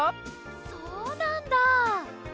そうなんだ！